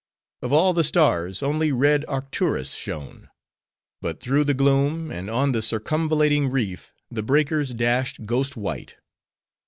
Of all the stars, only red Arcturus shone. But through the gloom, and on the circumvallating reef, the breakers dashed ghost white.